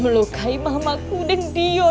melukai mamaku dan dio